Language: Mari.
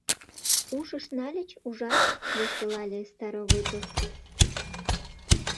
— Ушыш нальыч, ужат? — воштылале Старовойтов.